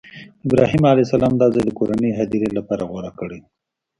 ابراهیم علیه السلام دا ځای د کورنۍ هدیرې لپاره غوره کړی و.